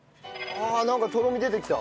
ああなんかとろみ出てきた。